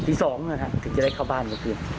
ตี๒นะครับถึงจะได้เข้าบ้านเมื่อคืน